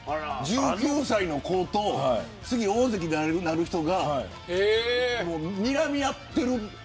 １９歳の子と次、大関になる人がにらみ合っている。